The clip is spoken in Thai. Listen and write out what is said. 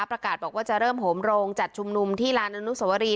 ประกาศบอกว่าจะเริ่มโหมโรงจัดชุมนุมที่ลานอนุสวรี